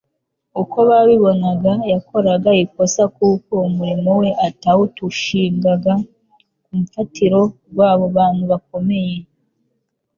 Uko babibonaga, yakoraga ikosa kuko umurimo we atawTushingaga ku mfatiro rwabo bantu bakomeye.